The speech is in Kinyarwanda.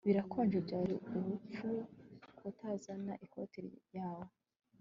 Birakonje Byari ubupfu kutazana ikoti yawe